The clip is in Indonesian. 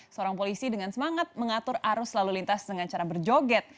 seorang polisi dengan semangat mengatur arus lalu lintas dengan cara berjoget